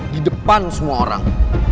di depan semua orang